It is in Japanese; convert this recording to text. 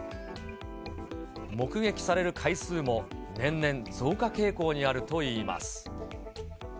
目撃される回数も、年々増加傾向にあるといいます。